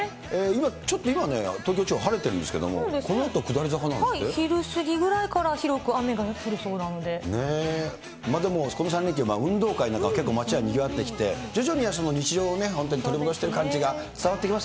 今、ちょっと今ね、東京地方、晴れてるんですけれども、昼過ぎぐらいから広く雨が降ねぇ、でも、この３連休、運動会なんか結構、街はにぎわってきて、徐々に日常を本当に取り戻してる感じが伝わ